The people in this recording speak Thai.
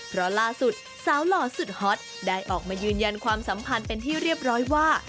เพราะล่าสุดสาวหล่อสุดฮอตได้ออกมายืนยันความสัมพันธ์เป็นที่เรียบร้อยว่า